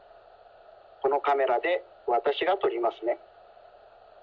このカメラでわたしがとりますね。